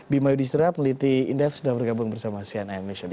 bimayu distriap meliti indef sudah bergabung bersama sian ayan nisya dastis